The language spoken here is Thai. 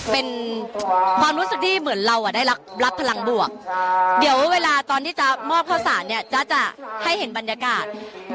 เป็นความรู้สึกที่เหมือนเราได้รับพลังบวกเดี๋ยวเวลาตอนที่จ๊ะมอบข้าวสารเนี่ยจ๊ะจะให้เห็นบรรยากาศ